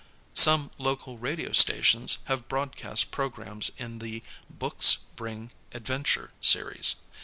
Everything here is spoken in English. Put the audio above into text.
Some local radio stations have broadcast programs in the Books Bring Adventure Series.